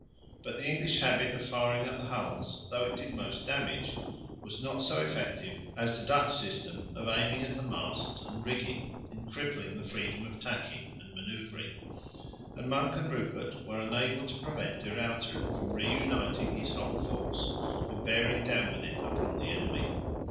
But the English habit of firing at the hulls, though it did most damage, was not so effective as the Dutch system of aiming at the masts and rigging in crippling the freedom of tacking and manoeuvring; and Monk and Rupert were unable to prevent De Ruyter from re uniting his whole force, and bearing down with it upon the enemy.